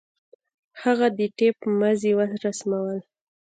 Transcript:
هغه د ټېپ مزي ورسمول.